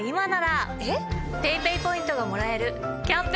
ＰａｙＰａｙポイントがもらえるキャンペーンも実施中です。